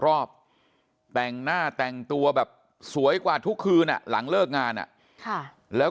รอบแต่งหน้าแต่งตัวแบบสวยกว่าทุกคืนหลังเลิกงานแล้ว